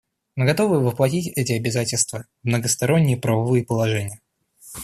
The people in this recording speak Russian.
Мы готовы воплотить эти обязательства в многосторонние правовые положения.